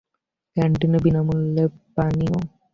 ক্যান্টিনে বিনামূল্যে পানীয়।